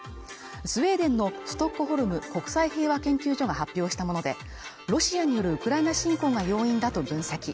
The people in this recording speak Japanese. スウェーデンのストックホルム国際平和研究所が発表したもので、ロシアによるウクライナ侵攻が要因だと分析